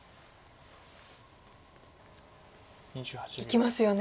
いきますよね。